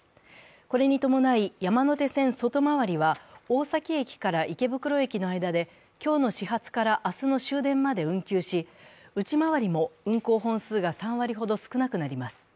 これに伴い、山手線外回りは大崎駅から池袋駅の間で今日の始発から明日の終電まで運休し、内回りも運行本数が３割ほど少なくなります。